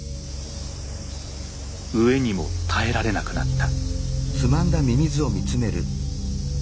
飢えにも耐えられなくなった。